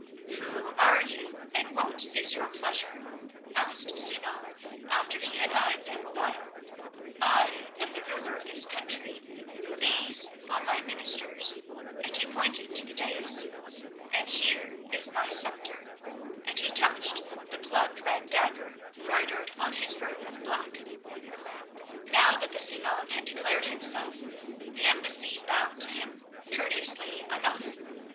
"Who are you, and what is your pleasure?" asked Sinan, after he had eyed them awhile. "I am the ruler of this country. These are my ministers," and he pointed to the daïs, "and here is my sceptre," and he touched the bloodred dagger broidered on his robe of black. Now that Sinan had declared himself the embassy bowed to him, courteously enough.